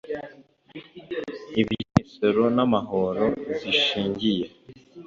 iby imisoro n amahoro zishingiye